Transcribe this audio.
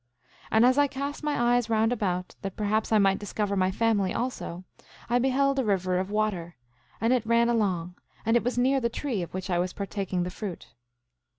8:13 And as I cast my eyes round about, that perhaps I might discover my family also, I beheld a river of water; and it ran along, and it was near the tree of which I was partaking the fruit.